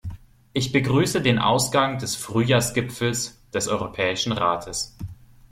Ich begrüße den Ausgang des Frühjahrsgipfels des Europäischen Rates.